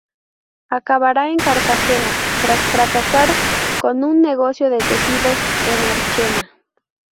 Acabará en Cartagena, tras fracasar con un negocio de tejidos en Archena.